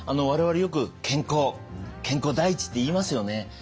我々よく健康健康第一って言いますよね。